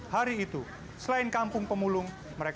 hari itu selain kampung pemulung